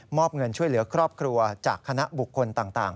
อบเงินช่วยเหลือครอบครัวจากคณะบุคคลต่าง